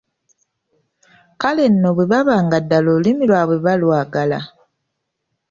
Kale nno bwe baba nga ddala olulimi lwabwe balwagala.